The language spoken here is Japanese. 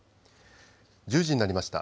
１０時になりました。